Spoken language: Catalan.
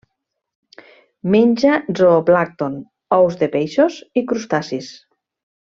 Menja zooplàncton, ous de peixos i crustacis.